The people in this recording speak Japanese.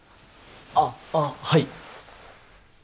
あっあっはい。